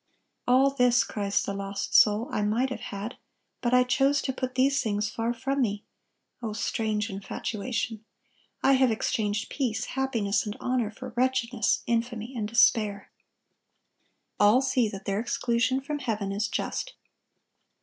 "All this," cries the lost soul, "I might have had; but I chose to put these things far from me. Oh, strange infatuation! I have exchanged peace, happiness, and honor, for wretchedness, infamy, and despair." All see that their exclusion from heaven is just.